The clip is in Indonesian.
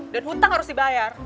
dan hutang harus dibayar